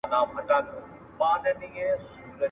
خوني پړانګ چي هر څه زور واهه تر شا سو !.